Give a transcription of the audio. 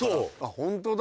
ホントだ。